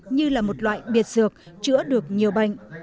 như là một loại biệt dược chữa được nhiều bệnh